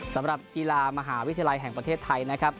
สำหรับกีฬามหาวิทยาลัยแห่งประเทศไทยนะครับ